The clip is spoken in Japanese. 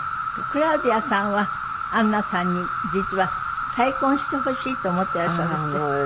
クラウディアさんはアンナさんに実は再婚してほしいと思っていらっしゃるんですって？